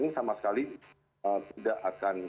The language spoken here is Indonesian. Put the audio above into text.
ini sama sekali tidak akan